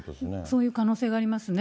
そういう可能性がありますね。